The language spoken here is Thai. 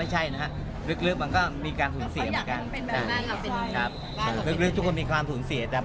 ไม่ได้ฝันเพราะยังไม่ได้นอนกันเลยครับ